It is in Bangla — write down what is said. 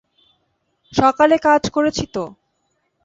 সকালে কাজ করেছি তো।